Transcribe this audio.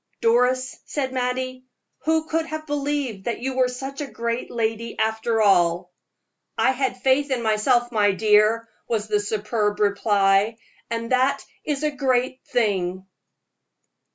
"Doris," said Mattie, "who could have believed that you were such a great lady after all?" "I had faith in myself, my dear," was the superb reply, "and that is a great thing!"